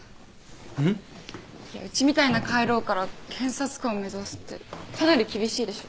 うん？いやうちみたいな下位ローから検察官を目指すってかなり厳しいでしょ。